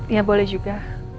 ya boleh juga